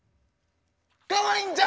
かわいいんじゃ！